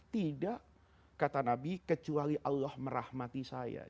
tidak kata nabi kecuali allah merahmati saya